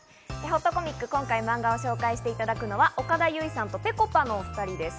ほっとコミック、今回マンガを紹介していただくのは岡田結実さんと、ぺこぱのお二人です。